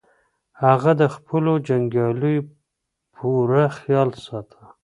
هغه د خپلو جنګیالیو پوره خیال ساته.